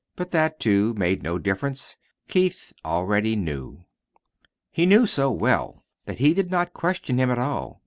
But that, too, made no difference. Keith already knew. He knew so well that he did not question him at all.